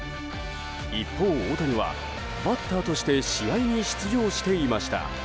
一方、大谷はバッターとして試合に出場していました。